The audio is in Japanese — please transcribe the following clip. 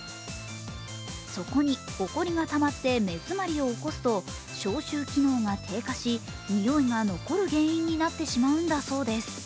そこにほこりがたまって目詰まりを起こすと消臭機能が低下し臭いが残る原因になってしまうんだそうです。